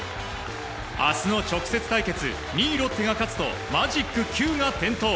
明日の直接対決２位、ロッテが勝つとマジック９が点灯。